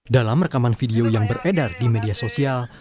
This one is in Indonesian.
dalam rekaman video yang beredar di media sosial